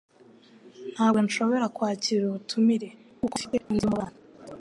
Ntabwo nshobora kwakira ubutumire kuko mfite undi mubano. .